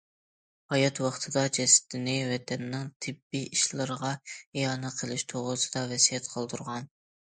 ھايات ۋاقتىدا جەسىتىنى ۋەتەننىڭ تېببىي ئىشلىرىغا ئىئانە قىلىش توغرىسىدا ۋەسىيەت قالدۇرغان.